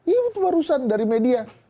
iya betul barusan dari media